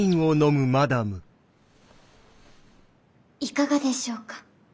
いかがでしょうか？